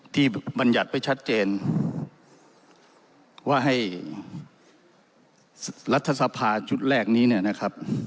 บรรยัติไว้ชัดเจนว่าให้รัฐสภาชุดแรกนี้เนี่ยนะครับ